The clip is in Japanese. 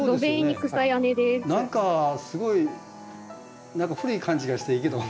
何かすごい古い感じがしていいけど。